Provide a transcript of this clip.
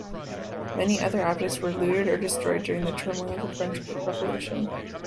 Many others objects were looted or destroyed during the turmoil of the French Revolution.